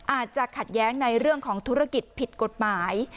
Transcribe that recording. อาจจะขัดแย้งในเรื่องของธุรกิจผิดกฎหมาย